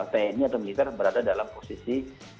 tni atau militer berada dalam posisi